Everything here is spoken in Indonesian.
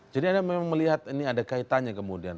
jadi anda memang melihat ini ada kaitannya kemudian